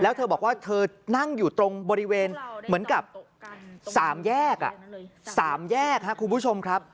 แล้วเธอบอกว่าเธอนั่งอยู่ตรงบริเวณเหมือนกับ๓แยก๓แยกครับคุณผู้ชมครับ